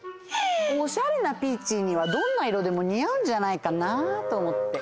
おしゃれなピーチーにはどんないろでもにあうんじゃないかなとおもって。